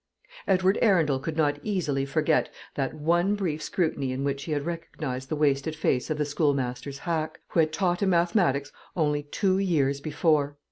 Edward Arundel could not easily forget that one brief scrutiny in which he had recognised the wasted face of the schoolmaster's hack, who had taught him mathematics only two years before.